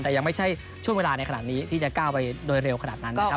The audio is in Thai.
แต่ยังไม่ใช่ช่วงเวลาในขณะนี้ที่จะก้าวไปโดยเร็วขนาดนั้นนะครับ